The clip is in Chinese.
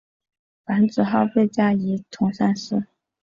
樊子鹄被加仪同三司。